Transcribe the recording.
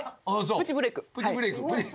プチブレイク。